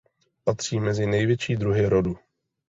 Patří mezi největší druhy rodu.